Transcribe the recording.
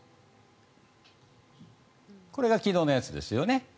これが昨日のやつですよね。